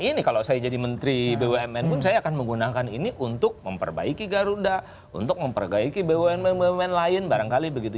gini kalau saya jadi menteri bumn pun saya akan menggunakan ini untuk memperbaiki garuda untuk memperbaiki bumn bumn lain barangkali begitu